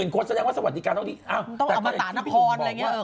๑๐๐๐คนแสดงว่าสวัสดีการต้องเอามาต่านพรอะไรอย่างนี้